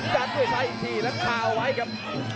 ดันด้วยซ้ายอีกทีแล้วคาเอาไว้ครับ